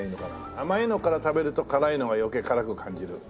甘いのから食べると辛いのが余計辛く感じる。